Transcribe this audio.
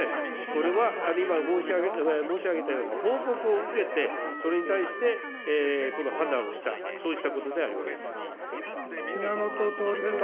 これは今申し上げたような報告を受けて、それに対して、この判断をした、そうしたことであります。